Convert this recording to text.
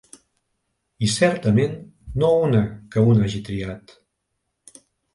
I certament no una que un hagi triat.